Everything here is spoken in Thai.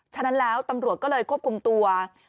ฉะนั้นแล้วตำรวจก็เลยควบคุมตัว